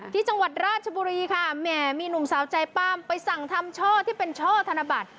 ที่จังหวัดราชบุรีค่ะแหมมีหนุ่มสาวใจป้ามไปสั่งทำช่อที่เป็นช่อธนบัตร